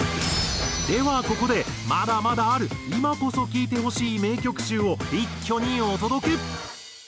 ではここでまだまだある今こそ聴いてほしい名曲集を一挙にお届け！